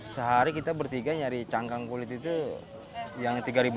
sehari kita bertiga nyari cangkang kulit itu yang rp tiga lima ratus